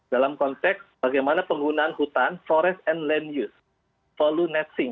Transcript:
dalam konteks bagaimana penggunaan hutan forest and land use follow netsing